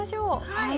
はい。